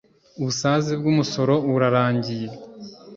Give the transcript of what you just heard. ubusaze bw’ umusoro burarangiye .